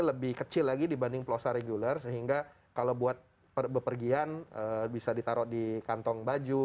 lebih kecil lagi dibanding plosa regular sehingga kalau buat bepergian bisa ditaruh di kantong baju